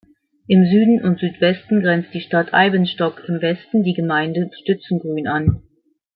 Im Süden und Südwesten grenzt die Stadt Eibenstock, im Westen die Gemeinde Stützengrün an.